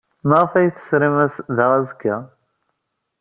Maɣef ay iyi-tesrim da azekka?